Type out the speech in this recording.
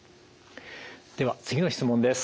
では次の質問です。